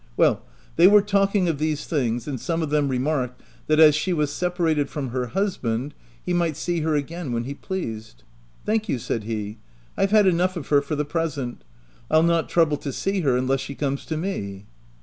Well, they were talking of these things, and some of them re marked that, as she was separated from her husband, he might see her again when he pleased." €i ' Thank you/ said he ;' I've had enough of her for the present : I'll not trouble to see her, unless she comes to me.'